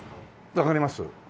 わかります。